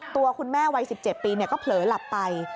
ตัวคุณแม่วัย๑๗ปีก็เผลอหลับไป